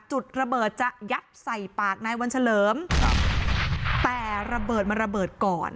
จุดระเบิดจะยัดใส่ปากนายวันเฉลิมครับแต่ระเบิดมันระเบิดก่อน